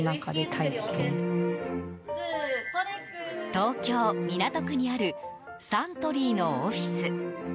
東京・港区にあるサントリーのオフィス。